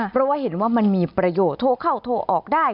เพราะว่าเห็นว่ามันมีประโยชน์โทรเข้าโทรออกได้